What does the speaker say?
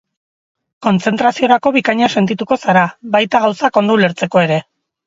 Kontzentraziorako bikaina sentituko zara, baita gauzak ondo ulertzeko ere.